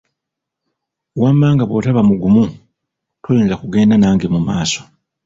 Wamma nga bw'otaba mugumu, toyinza kugenda nange mu maaso.